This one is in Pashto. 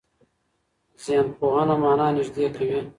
ذهنپوهنه مانا نږدې کوي.